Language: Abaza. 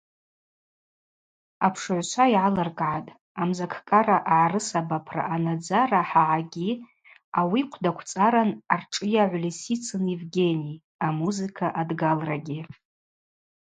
Апшыгӏвчва йгӏалыркӏгӏатӏ амзакӏкӏара агӏарысабапра анадзара хӏагӏагьи, ауи йхъвдаквцӏаран аршӏыйагӏв Лисицын Евгений, амузыка адгалрагьи.